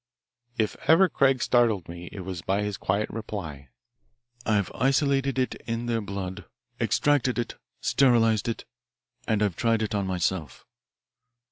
If ever Craig startled me it was by his quiet reply. "I've isolated it in their blood, extracted it, sterilised it, and I've tried it on myself."